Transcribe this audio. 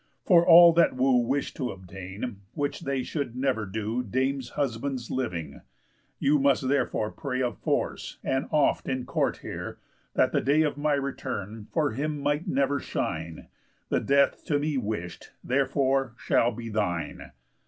For all that woo Wish to obtain, which they should never do, Dames' husbands living. You must therefore pray Of force, and oft in Court here, that the day Of my return for him might never shine; The death to me wish'd, therefore, shall be thine."